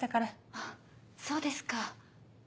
あっそうですか。